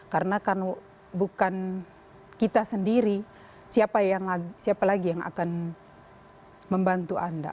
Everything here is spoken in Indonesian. karena bukan kita sendiri siapa lagi yang akan membantu anda